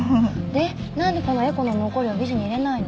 で何でこのエコの残りをビジに入れないの。